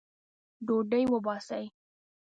ډوډۍ وباسئ